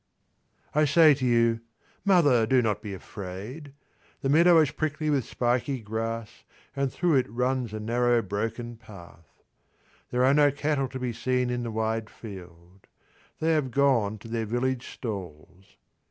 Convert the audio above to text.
I say to you, "Mother, do not be afraid." The meadow is prickly with spiky grass, and through it runs a narrow broken path. There are no cattle to be seen in the wide field; they have gone to their village stalls.